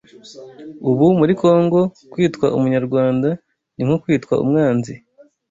Ubu muri Congo kwitwa umunyarwanda ni nko kwitwa umwanzi